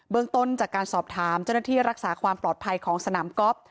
ต้นจากการสอบถามเจ้าหน้าที่รักษาความปลอดภัยของสนามก๊อฟ